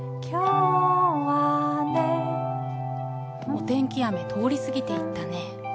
お天気雨通り過ぎていったね。